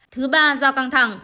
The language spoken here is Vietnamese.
thứ ba do căng thẳng